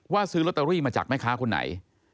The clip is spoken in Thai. ซื้อลอตเตอรี่มาจากแม่ค้าคนไหน